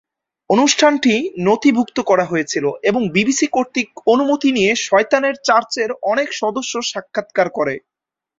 অনুষ্ঠানটি নথিভুক্ত করা হয়েছিল, এবং বিবিসি কর্তৃক অনুমতি নিয়ে শয়তানের চার্চের অনেক সদস্য সাক্ষাৎকার করে।